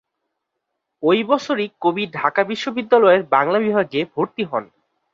ওই বছরই কবি ঢাকা বিশ্ববিদ্যালয়ের বাংলা বিভাগে ভর্তি হন।